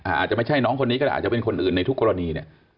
อาจจะไม่ใช่น้องคนนี้ก็ได้อาจจะเป็นคนอื่นในทุกกรณีเนี่ย